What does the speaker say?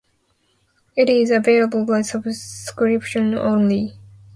It is available by subscription only.